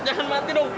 jangan mati dong